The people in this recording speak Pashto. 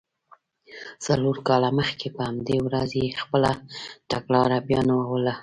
څلور کاله مخکې په همدې ورځ یې خپله تګلاره بیانوله.